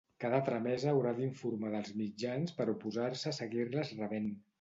Cada tramesa haurà d’informar dels mitjans per oposar-se a seguir-les rebent.